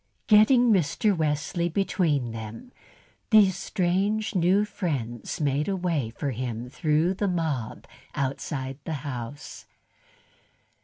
Getting Mr. Wesley between them, these strange, new friends made a way for him through the mob outside the house.